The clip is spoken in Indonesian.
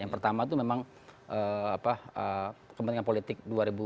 yang pertama itu memang kepentingan politik dua ribu tujuh belas dua ribu delapan belas